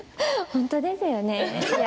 本当ですよね。